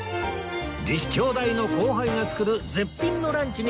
立教大の後輩が作る絶品のランチに舌鼓